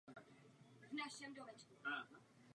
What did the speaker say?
Příjmy obce zároveň zajišťuje turistický ruch.